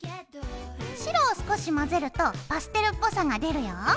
白を少し混ぜるとパステルっぽさが出るよ。